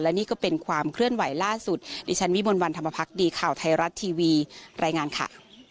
นี่ก็เป็นความเคลื่อนไหวล่าสุดดิฉันวิมวลวันธรรมพักดีข่าวไทยรัฐทีวีรายงานค่ะ